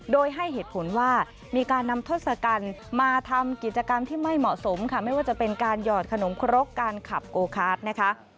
โดยให้เหตุผลว่ามีการนำทศกัณฐ์มาทำกิจกรรมที่ไม่เหมาะสมค่ะไม่ว่าจะเป็นการหยอดขนมครกการขับโอคาร์ดนะคะ